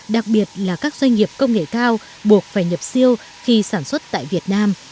đặc biệt là các doanh nghiệp công nghệ cao buộc phải nhập siêu khi sản xuất tại việt nam